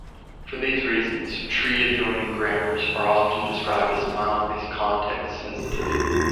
For these reasons, tree-adjoining grammars are often described as mildly context-sensitive.